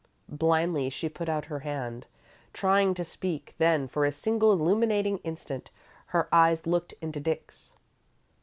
Blindly, she put out her hand, trying to speak; then, for a single illuminating instant, her eyes looked into Dick's.